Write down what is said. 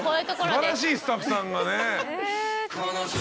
素晴らしいスタッフさんがね。